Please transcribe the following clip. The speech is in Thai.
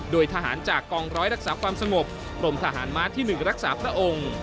โดยทหารจากกองร้อยรักษาความสงบกรมทหารม้าที่๑รักษาพระองค์